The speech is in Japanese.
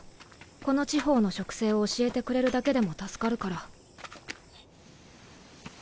この地方の植生を教えてくれるだけでも助かるから。